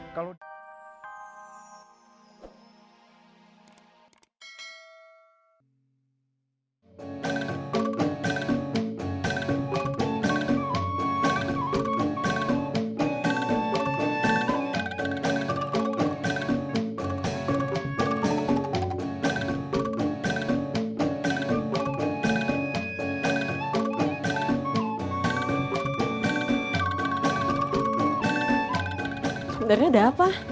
sebenarnya ada apa